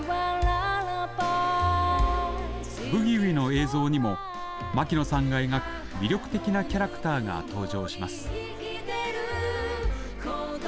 ブギウギの映像にも牧野さんが描く魅力的なキャラクターが登場します。